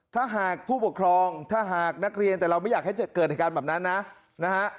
ถ้าหากผู้ปกครองถ้าหากนักเรียนแต่เราไม่อยากให้เกิดเหตุการณ์แบบนั้นนะนะฮะ